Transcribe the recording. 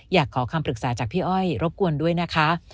อยากขอคำปรึกษาจากพี่อ้อยรบกวนด้วยนะคะ